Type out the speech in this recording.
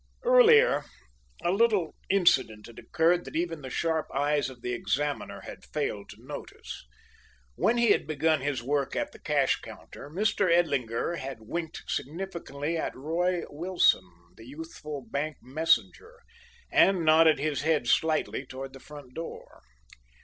Earlier, a little incident had occurred that even the sharp eyes of the examiner had failed to notice. When he had begun his work at the cash counter, Mr. Edlinger had winked significantly at Roy Wilson, the youthful bank messenger, and nodded his head slightly toward the front door.